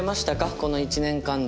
この１年間で。